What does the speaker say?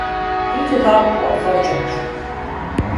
این کتاب پارسال چاپ شد.